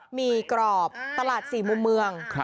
หี่กรอบตลาด๔มุมเมือง